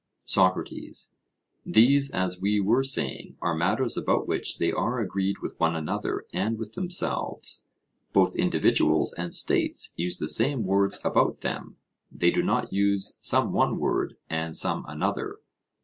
SOCRATES: These, as we were saying, are matters about which they are agreed with one another and with themselves; both individuals and states use the same words about them; they do not use some one word and some another.